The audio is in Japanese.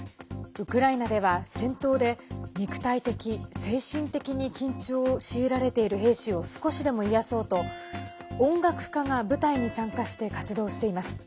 ウクライナでは戦闘で肉体的、精神的に緊張を強いられている兵士を少しでも癒やそうと音楽家が部隊に参加して活動しています。